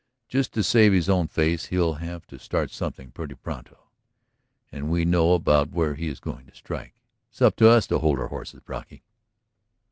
Just to save his own face he'll have to start something pretty pronto. And we know about where he is going to strike. It's up to us to hold our horses, Brocky."